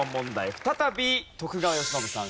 再び徳川慶喜さん